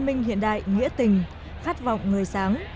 phần đoạn hiện đại nghĩa tình khát vọng người sáng